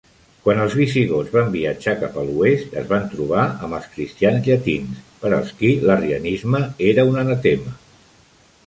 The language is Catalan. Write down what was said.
Quan els visigots van viatjar cap a l'oest, es van trobar amb els cristians llatins, per als qui l'arianisme era un anatema.